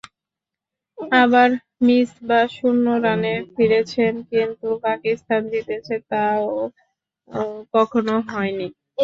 আবার মিসবাহ শূন্য রানে ফিরেছেন, কিন্তু পাকিস্তান জিতেছে, তা-ও কখনো হয়নি।